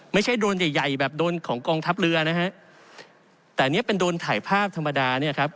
โดรนใหญ่ใหญ่แบบโดนของกองทัพเรือนะฮะแต่เนี้ยเป็นโดรนถ่ายภาพธรรมดาเนี่ยครับ